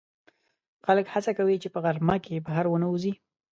خلک هڅه کوي چې په غرمه کې بهر ونه وځي